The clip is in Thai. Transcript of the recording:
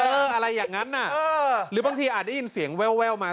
อะไรอย่างนั้นน่ะหรือบางทีอาจได้ยินเสียงแววมา